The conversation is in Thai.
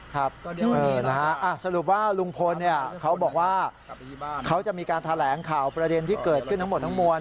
ครับสรุปว่าลุงพลเขาบอกว่าเขาจะมีการแถลงข่าวประเด็นที่เกิดขึ้นทั้งหมดทั้งมวล